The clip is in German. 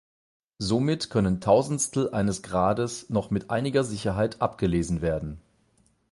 Somit können Tausendstel eines Grades noch mit einiger Sicherheit abgelesen werden.